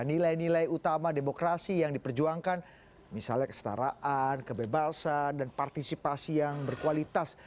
nilai nilai utama demokrasi yang diperjuangkan misalnya kestaraan kebebasan dan partisipasi yang berkualitas